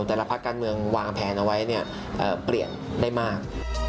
แต่ละพักการเมืองวางแผนเอาไว้เปลี่ยนได้มาก